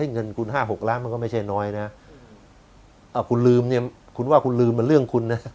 เงินคุณ๕๖ล้านมันก็ไม่ใช่น้อยนะคุณลืมเนี่ยคุณว่าคุณลืมมันเรื่องคุณนะ